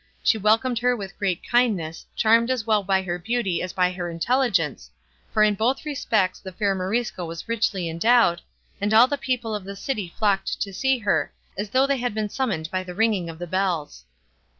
She welcomed her with great kindness, charmed as well by her beauty as by her intelligence; for in both respects the fair Morisco was richly endowed, and all the people of the city flocked to see her as though they had been summoned by the ringing of the bells.